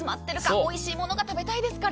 おいしいものが食べたいですから。